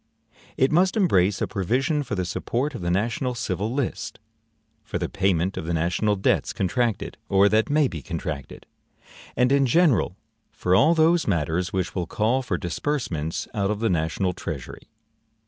It must embrace a provision for the support of the national civil list; for the payment of the national debts contracted, or that may be contracted; and, in general, for all those matters which will call for disbursements out of the national treasury.